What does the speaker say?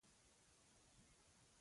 تر پښو مې وړانګې اوریږې